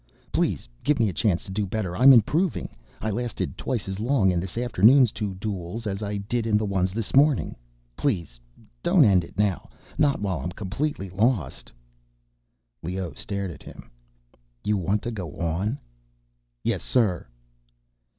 Please give me a chance to do better. I'm improving ... I lasted twice as long in this afternoon's two duels as I did in the ones this morning. Please, don't end it now ... not while I'm completely lost—" Leoh stared at him. "You want to go on?" "Yes, sir."